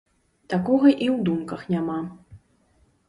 Такога і ў думках няма.